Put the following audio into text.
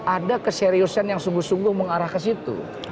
ada keseriusan yang sungguh sungguh mengarah ke situ